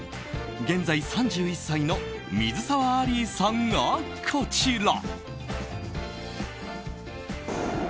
現在３１歳の水沢アリーさんがこちら。